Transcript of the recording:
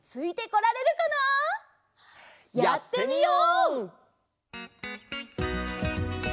やってみよう！